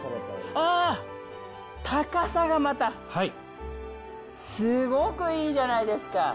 高さがまた、すごくいいじゃないですか。